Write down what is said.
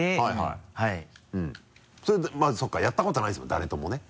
それまずそうかやったことないですもんね